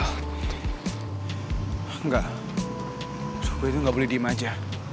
enggak coba itu gak boleh diem aja